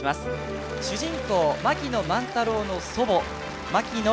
主人公槙野万太郎の祖母槙野